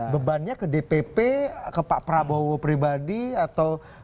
bebannya ke dpp ke pak prabowo pribadi atau